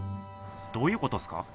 どういうことっすか？